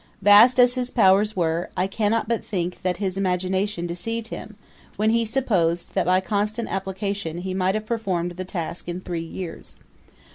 Vast as his powers were, I cannot but think that his imagination deceived him, when he supposed that by constant application he might have performed the task in three years.